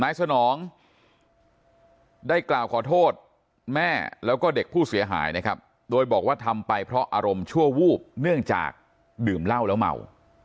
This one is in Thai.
สนองได้กล่าวขอโทษแม่แล้วก็เด็กผู้เสียหายนะครับโดยบอกว่าทำไปเพราะอารมณ์ชั่ววูบเนื่องจากดื่มเหล้าแล้วเมา